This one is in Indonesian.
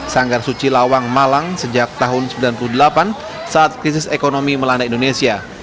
sanggar suci lawang malang sejak tahun seribu sembilan ratus sembilan puluh delapan saat krisis ekonomi melanda indonesia